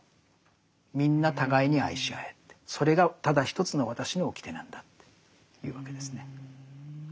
みんな互いに愛し合えってそれがただ一つの私の掟なんだって言うわけですね。